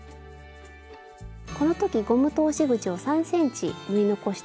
この時ゴム通し口を３ｃｍ縫い残しておきましょう。